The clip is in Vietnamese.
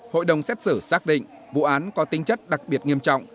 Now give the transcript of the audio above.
hội đồng xét xử xác định vụ án có tinh chất đặc biệt nghiêm trọng